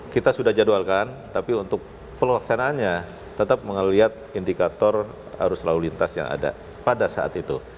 kita sudah jadwalkan tapi untuk pelaksanaannya tetap melihat indikator arus lalu lintas yang ada pada saat itu